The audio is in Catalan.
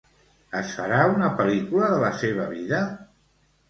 Es farà una pel·lícula de la seva vida?